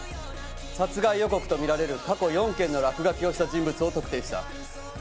殺害予告とみられる過去４件の落書きをした人物を特定した。